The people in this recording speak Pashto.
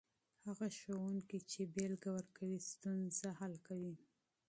هغه ښوونکی چې مثال ورکوي، ستونزه حل کوي.